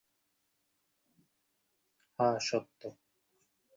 হ্যাঁ, সত্য।